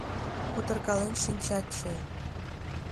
Кутыркален шинчат чай...